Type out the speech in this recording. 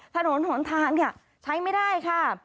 ถนนหนทางค่ะใช้ไม่ได้ค่ะ